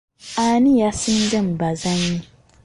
Ani yasinze mu bazanyi?